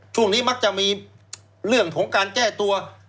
ช่วงนี้มักจะมีเรื่องของการแก้ตัว